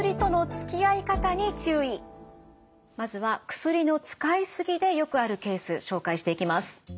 まずは薬の使いすぎでよくあるケース紹介していきます。